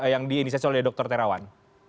yang diinisiasi oleh dr terawan